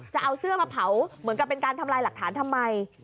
จะเอาเสื้อมาเผาเหมือนกับเป็นการทำลายหลักฐานทำไม